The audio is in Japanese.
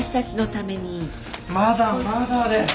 まだまだです！